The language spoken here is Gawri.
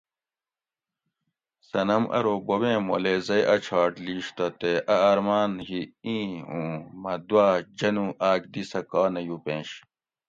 صنم ارو بوبیں مولیزئ اۤ چھاٹ لیش تہ تے اۤ ارماۤن ھی ایں اُوں مہ دوا جنو آک دی سہ کا نہ یوپینش